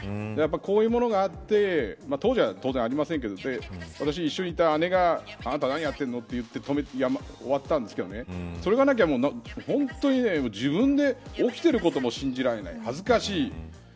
こういうものがあって当時は、当然ありませんでしたが一緒にいた姉が、あなた何をやっているのと止めて終わったんですけどそれがなきゃ、本当に自分に起きていることも信じられない、恥ずかしい。